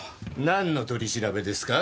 なんの取り調べですか？